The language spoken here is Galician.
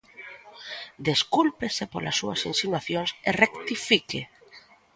Descúlpese polas súas insinuacións e rectifique.